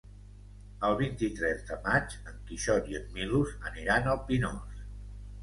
El vint-i-tres de maig en Quixot i en Milos aniran al Pinós.